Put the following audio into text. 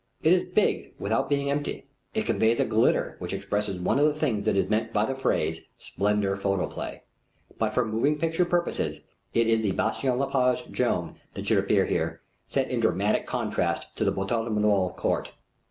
It is big without being empty. It conveys a glitter which expresses one of the things that is meant by the phrase: Splendor Photoplay. But for moving picture purposes it is the Bastien Lepage Joan that should appear here, set in dramatic contrast to the Boutet de Monvel Court.